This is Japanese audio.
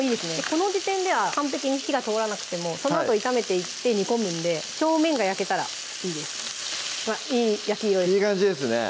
この時点では完璧に火が通らなくてもそのあと炒めていって煮込むんで表面が焼けたらいいですほらいい焼き色にいい感じですね